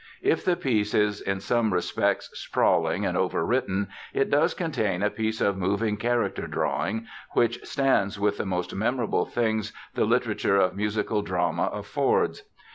If the piece is in some respects sprawling and over written it does contain a piece of moving character drawing which stands with the most memorable things the literature of musical drama affords.